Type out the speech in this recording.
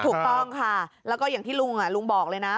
ต้องค่ะก็อย่างที่ลุงบอกเลยนะ